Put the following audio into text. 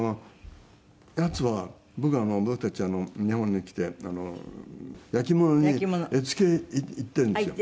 ヤツは僕たち日本に来て焼き物に絵付け行っているんですよ。